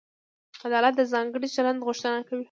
عدالت د ځانګړي چلند غوښتنه کوي.